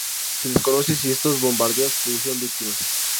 Se desconoce si estos bombardeos produjeron víctimas.